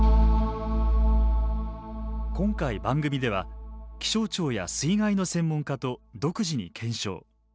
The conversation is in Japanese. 今回番組では気象庁や水害の専門家と独自に検証。